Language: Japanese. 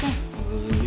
はい。